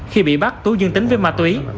khi bị bắt tú dương tính với ma túy